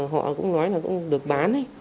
họ cũng nói là cũng được bán ấy